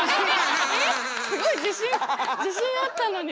すごい自信自信あったのに。